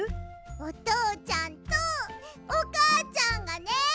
おとうちゃんとおかあちゃんがね